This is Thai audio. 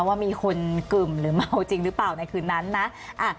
ว่ามีคนกึ่มหรือเมาจริงหรือเปล่าในคืนนั้นนะ